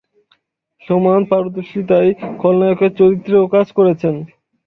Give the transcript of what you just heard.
সমান পারদর্শীতায় খলনায়কের চরিত্রেও কাজ করেছেন।